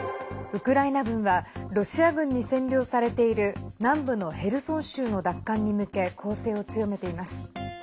ウクライナ軍はロシア軍に占領されている南部のヘルソン州の奪還に向け攻勢を強めています。